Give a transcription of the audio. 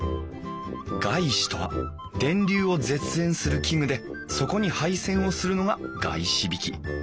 碍子とは電流を絶縁する器具でそこに配線をするのが碍子引き。